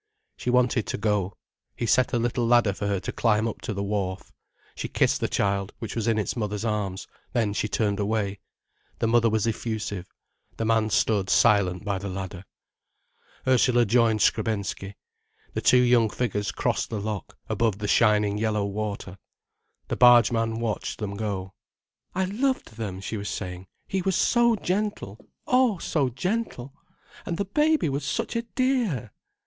She wanted to go. He set a little ladder for her to climb up to the wharf. She kissed the child, which was in its mother's arms, then she turned away. The mother was effusive. The man stood silent by the ladder. Ursula joined Skrebensky. The two young figures crossed the lock, above the shining yellow water. The barge man watched them go. "I loved them," she was saying. "He was so gentle—oh, so gentle! And the baby was such a dear!"